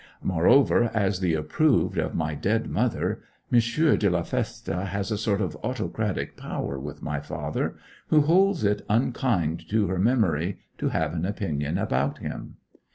Moreover, as the approved of my dead mother, M. de la Feste has a sort of autocratic power with my father, who holds it unkind to her memory to have an opinion about him.